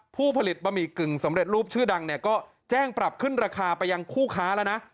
ผู้ผลิตบะหมี่กึ่งสำเร็จรูปชื่อดังเนี่ยก็แจ้งปรับขึ้นราคาไปยังคู่ค้าแล้วนะ